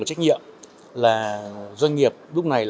có trách nhiệm là doanh nghiệp lúc này